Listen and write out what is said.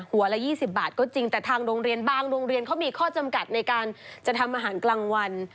ละ๒๐บาทก็จริงแต่ทางโรงเรียนบางโรงเรียนเขามีข้อจำกัดในการจะทำอาหารกลางวัน